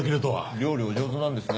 料理お上手なんですね。